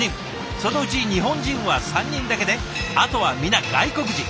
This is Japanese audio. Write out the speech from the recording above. そのうち日本人は３人だけであとは皆外国人。